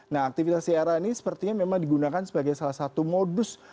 nah aktivitas siaran ini sepertinya memang digunakan sebagai salah satu modus